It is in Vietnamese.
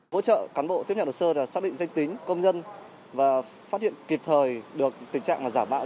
hỗ trợ cán bộ tiếp nhận hồ sơ là xác định danh tính công dân và phát hiện kịp thời được tình trạng giảm bạo